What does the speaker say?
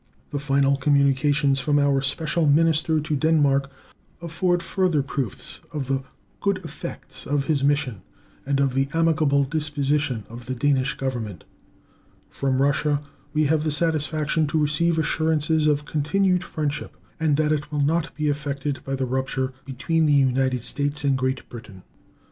The final communications from our special minister to Denmark afford further proofs of the good effects of his mission, and of the amicable disposition of the Danish Government. From Russia we have the satisfaction to receive assurances of continued friendship, and that it will not be affected by the rupture between the United States and Great Britain.